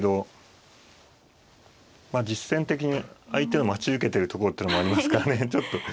実戦的に相手が待ち受けてるところってのもありますからねちょっと。